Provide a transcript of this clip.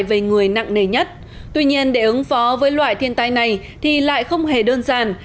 về người nặng nề nhất tuy nhiên để ứng phó với loại thiên tai này thì lại không hề đơn giản